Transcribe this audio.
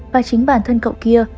và chính bản thân cậu kia